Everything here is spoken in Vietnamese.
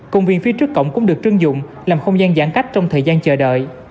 công viên phía trước cổng cũng được trưng dụng làm không gian giãn cách trong thời gian chờ đợi